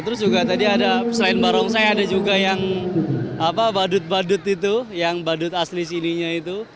terus juga tadi ada selain barongsai ada juga yang badut badut itu yang badut asli sininya itu